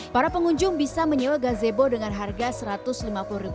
para pengunjung bisa menyebut gazebo dengan harga rp seratus